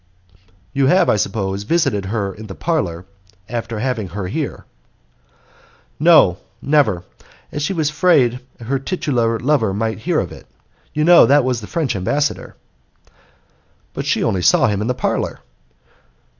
"You have, I suppose, visited her in the parlour, after having her here?" "No, never, as she was afraid her titular lover might hear of it. You know that was the French ambassador." "But she only saw him in the parlour."